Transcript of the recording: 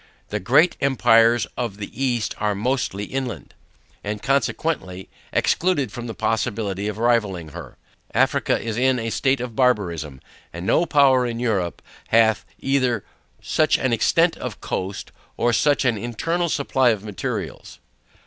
The great empires of the east are mostly inland, and consequently excluded from the possibility of rivalling her. Africa is in a state of barbarism; and no power in Europe, hath either such an extent of coast, or such an internal supply of materials.